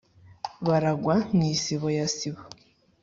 baragwa mu isibo ya sibo.